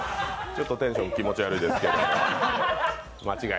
ちょっとテンション気持ち悪いですけれども。